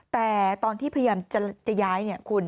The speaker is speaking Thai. แต่ตอนที่พยายามจะย้าย